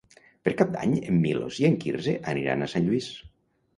Per Cap d'Any en Milos i en Quirze aniran a Sant Lluís.